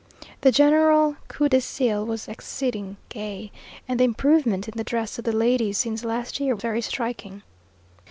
The general coup d'ceil was exceeding gay, and the improvement in the dress of the ladies since last year very striking.